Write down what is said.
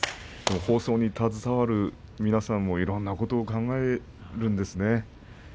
放送に携わる皆さんもいろんなことを考えるんですね。